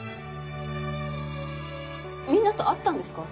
みんなと会ったんですか？